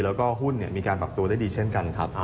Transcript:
แล้วก็หุ้นมีการปรับตัวได้ดีเช่นกันครับ